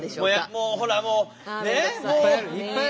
もうほらもうねえ？